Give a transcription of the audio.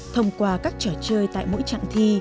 thông qua các trò chơi tại mỗi trạng thi